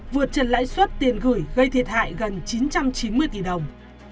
vượt trần lãi suất tiền gửi gây thiệt hại gần chín trăm chín mươi tỷ đồng